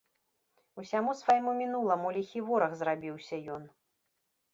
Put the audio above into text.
Усяму свайму мінуламу ліхі вораг зрабіўся ён.